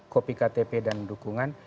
kopi ktp dan dukungan